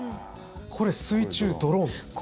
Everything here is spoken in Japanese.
これ、水中ドローンです。